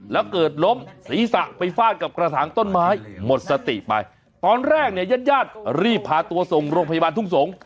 แล้วเกิดล้มศีรษะไปฟาดกับกระถางต้นไม้หมดสติไปตอนแรกเนี่ยญาติญาติรีบพาตัวส่งโรงพยาบาลทุ่งสงศ์